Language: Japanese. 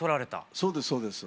そうですそうです。